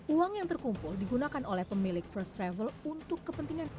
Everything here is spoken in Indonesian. uang yang terkumpul digunakan oleh pemilik first travel untuk kepentingan pribadi